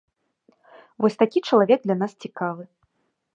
Вось такі чалавек для нас цікавы.